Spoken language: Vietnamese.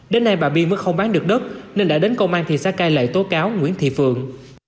đến nay bà biên mới không bán được đất nên đã đến công an thị xã cai lệ tố cáo nguyễn thị phượng